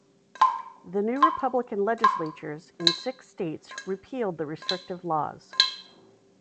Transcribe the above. The new Republican legislatures in six states repealed the restrictive laws.